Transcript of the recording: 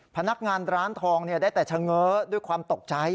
พนักงานร้านทองได้แต่เฉง้อด้วยความตกใจ